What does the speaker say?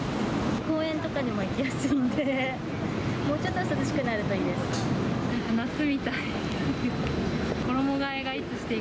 公園とかにも行きやすいので、もうちょっと涼しくなるといいでなんか夏みたい。